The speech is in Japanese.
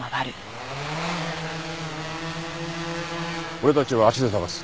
俺たちは足で捜す。